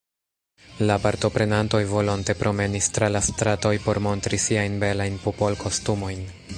La partoprenantoj volonte promenis tra la stratoj por montri siajn belajn popolkostumojn.